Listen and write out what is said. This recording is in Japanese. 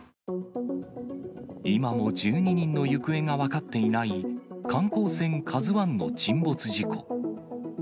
今も１２人の行方が分かっていない、観光船カズワンの沈没事故。